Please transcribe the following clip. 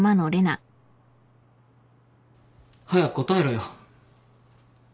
早く答えろよ。